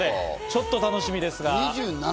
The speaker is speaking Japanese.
ちょっと楽しみです。